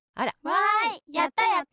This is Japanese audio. わいやったやった！